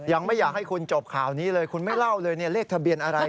ยังไม่อยากให้คุณจบข่าวนี้เลยคุณไม่เล่าเลยเนี่ยเลขทะเบียนอะไร